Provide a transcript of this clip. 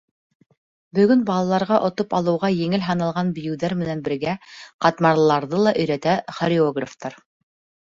Бөгөн балаларға отоп алыуға еңел һаналған бейеүҙәр менән бергә ҡатмарлыларҙы ла өйрәтә хореографтар.